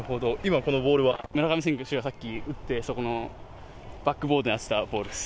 村上選手がさっき打って、そこのバックボードに当てたボールです。